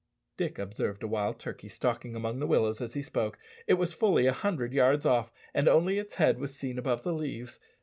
Dick observed a wild turkey stalking among the willows as he spoke. It was fully a hundred yards off, and only its head was seen above the leaves.